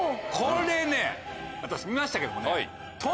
これね私見ましたけどもね。